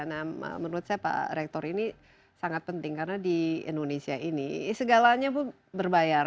nah menurut saya pak rektor ini sangat penting karena di indonesia ini segalanya pun berbayar